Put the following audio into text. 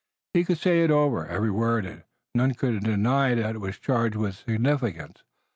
He could say it over, every word, and none could deny that it was charged with significance.